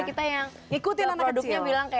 kita yang ikutin anak kecil